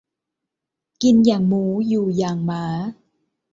กินอย่างหมู อยู่อย่างหมา